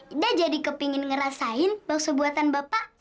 ida jadi kepingin ngerasain bakso buatan bapak